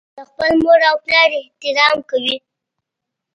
د خپل مور او پلار احترام کوي.